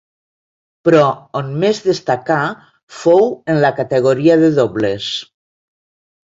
Però on més destacà fou en la categoria de dobles.